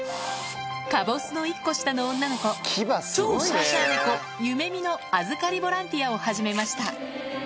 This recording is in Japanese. かぼすの１個下の女の子、超シャーシャー猫、ゆめみの預かりボランティアを始めました。